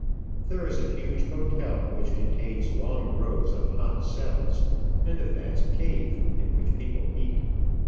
There is a huge hotel, which contains long rows of hot cells, and a vast cave in which people eat.